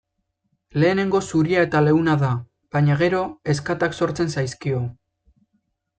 Lehenengo zuria eta leuna da, baina gero ezkatak sortzen zaizkio.